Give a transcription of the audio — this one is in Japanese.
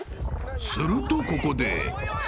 ［するとここで］